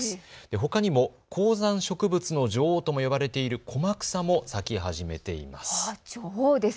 ほかにも高山植物の女王とも呼ばれているコマクサも咲き始めています。